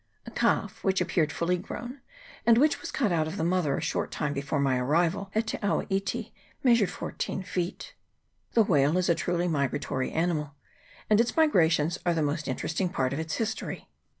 A calf, which appeared full grown, and which was cut out of the mother a short time before my arrival in Te awa iti, measured fourteen feet. The whale is a truly migratory animal, and its migrations are the most interesting part of its history.